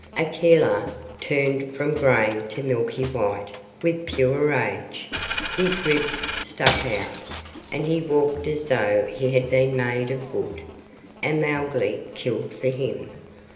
Akela turned from gray to milky white with pure age; his ribs stuck out, and he walked as though he had been made of wood, and Mowgli killed for him.